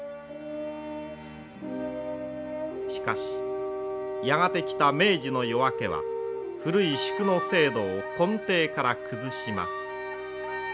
しかしやがて来た明治の夜明けは古い宿の制度を根底から崩します。